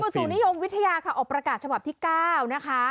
สู่นิยมวิทยาค่ะออกประกาศฉบับที่๙นะคะ